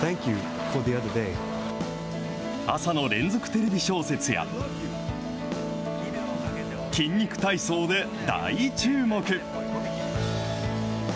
朝の連続テレビ小説や、筋肉体操で大注目。